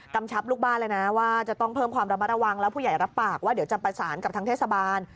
ชับลูกบ้านเลยนะว่าจะต้องเพิ่มความระมัดระวังแล้วผู้ใหญ่รับปากว่าเดี๋ยวจะประสานกับทางเทศบาล